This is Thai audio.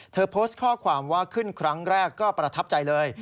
โพสต์ข้อความว่าขึ้นครั้งแรกก็ประทับใจเลย